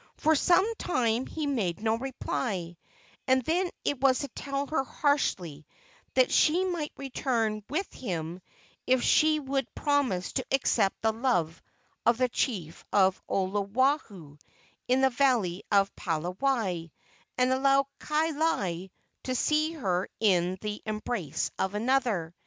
For some time he made no reply, and then it was to tell her harshly that she might return with him if she would promise to accept the love of the chief of Olowalu, in the valley of Palawai, and allow Kaaialii to see her in the embrace of another.